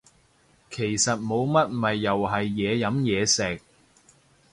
其實冇乜咪又係嘢飲嘢食